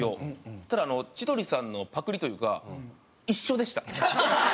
そしたら千鳥さんのパクリというか一緒でした。